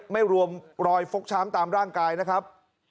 ไม่รวมรอยฟกช้ำตามร่างกายนะครับ